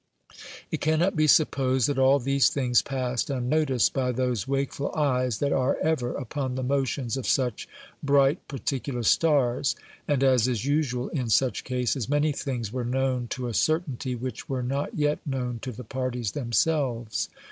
It cannot be supposed that all these things passed unnoticed by those wakeful eyes that are ever upon the motions of such "bright, particular stars;" and as is usual in such cases, many things were known to a certainty which were not yet known to the parties themselves.